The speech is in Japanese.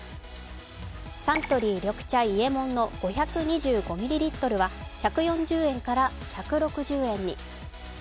サントリー緑茶伊右衛門の５２５ミリリットルは１４０円から１６０円に。